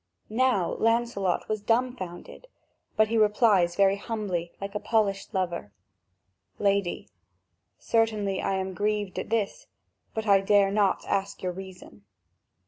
Now Lancelot is dumbfounded; but he replies very humbly like a polished lover: "Lady, certainly I am grieved at this, but I dare not ask your reason."